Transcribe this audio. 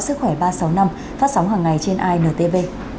sức khỏe ba trăm sáu mươi năm phát sóng hàng ngày trên intv